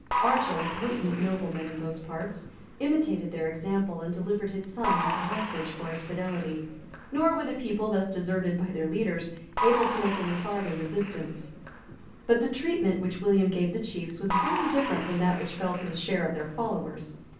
Archil, a potent nobleman in those parts, imitated their example, and delivered his son as a hostage for his fidelity;[] nor were the people, thus deserted by their leaders, able to make any farther resistance. But the treatment which William gave the chiefs was very different from that which fell to the share of their followers.